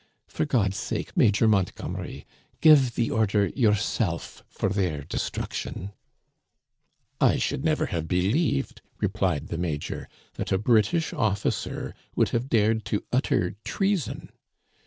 For God's sake. Major Mont gomery, give the order yourself foj their destruction !"" I never should have believed," replied the major, " that a British officer would have dared to utter trea son.